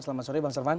selamat sore bang sarman